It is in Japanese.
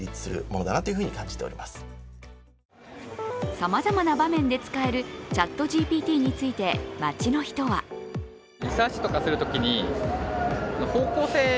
さまざま場面で使えるＣｈａｔＧＰＴについて街の人は一方で、こんな声も。